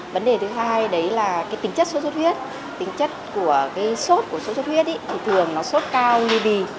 vấn đề thứ hai đấy là cái tính chất sốt xuất huyết tính chất của cái sốt của sốt xuất huyết thì thường nó sốt cao như bì